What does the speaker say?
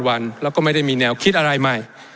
วันแล้วก็ไม่ได้มีแนวคิดอะไรใหม่